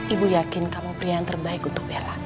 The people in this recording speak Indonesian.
ibu yakin kamu pria yang terbaik untuk bella